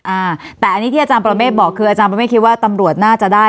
อ่าแต่อันนี้ที่อาจารย์ประเมฆบอกคืออาจารย์ประเมฆคิดว่าตำรวจน่าจะได้